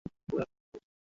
অসাধারণ কাজ দেখিয়েছ।